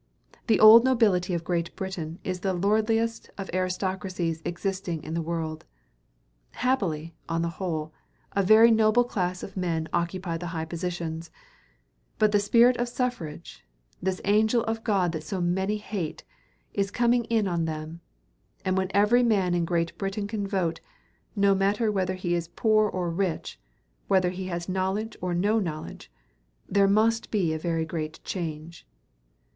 The old nobility of Great Britain is the lordliest of aristocracies existing in the world. Happily, on the whole, a very noble class of men occupy the high positions: but the spirit of suffrage, this angel of God that so many hate, is coming in on them; and when every man in Great Britain can vote, no matter whether he is poor or rich, whether he has knowledge or no knowledge, there must be a very great change.